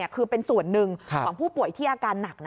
คือเป็นส่วนหนึ่งของผู้ป่วยที่อาการหนัก